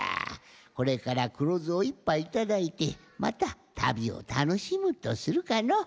これからくろずを１ぱいいただいてまたたびをたのしむとするかの。